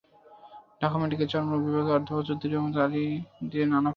ঢাকা মেডিকেলের চর্মরোগ বিভাগের অধ্যাপক চৌধুরী মোহাম্মদ আলী দিলেন নানা পরামর্শ।